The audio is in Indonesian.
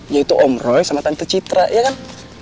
yaitu om roy sama tante citra ya kan